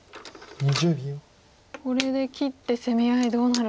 これで切って攻め合いどうなるか。